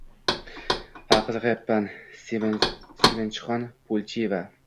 Ha, qiziqayapman, Sevinchixon Pulchieva